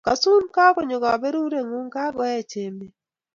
Kasun, kakonyo kaberuret ng'ung' kakoech emet.